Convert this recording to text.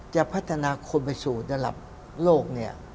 จะพัฒนาคนไปสู่ระดับโลกเนี่ย